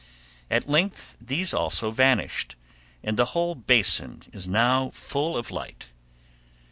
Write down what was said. At length these also vanished, and the whole basin is now full of light.